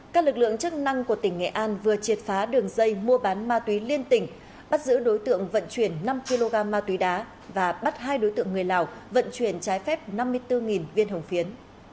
các lực lượng chức năng của tỉnh nghệ an vừa triệt phá đường dây mua bán ma túy liên tỉnh bắt giữ đối tượng vận chuyển năm kg ma túy đá và bắt hai đối tượng người lào vận chuyển trái phép năm mươi bốn viên hồng phiến